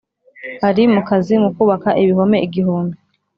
Ari mu kazi mu kubaka ibihome igihumbi